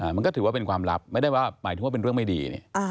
มันก็ถือว่าเป็นความลับไม่ได้ว่าหมายถึงว่าเป็นเรื่องไม่ดี